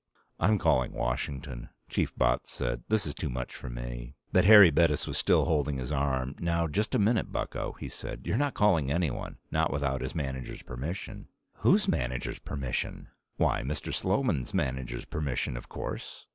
"I'm calling Washington," Chief Botts said. "This is too much for me." But Harry Bettis was still holding his arm. "Now, just a minute, bucko," he said. "You're not calling anyone not without his manager's permission." "Whose manager's permission?" "Why, Mr. Sloman's manager's permission, of course.